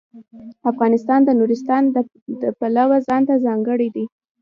افغانستان د نورستان د پلوه ځانته ځانګړتیا لري.